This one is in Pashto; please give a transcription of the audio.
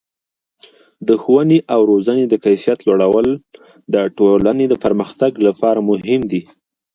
د ښوونې او روزنې د کیفیت لوړول د ټولنې د پرمختګ لپاره مهم دي.